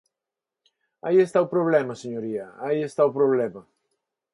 Aí está o problema, señoría, aí está o problema.